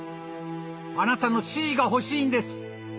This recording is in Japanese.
あなたの指示が欲しいんです！